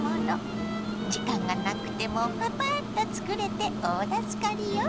時間がなくてもパパッとつくれて大助かりよ。